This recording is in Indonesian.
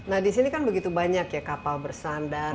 nah disini kan begitu banyak ya kapal bersandar